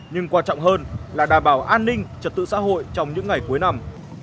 nhưng quan trọng hơn là đảm bảo an ninh trật tự xã hội trong những ngày cuối năm